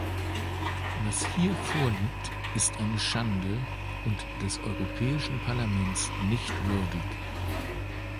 Was hier vorliegt, ist eine Schande und des Europäischen Parlaments nicht würdig.